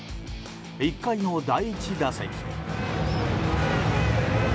１回の第１打席。